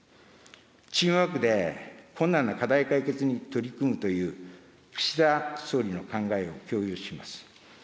チームワークで困難な課題解決に取り組むという岸田総理の考えを共有します。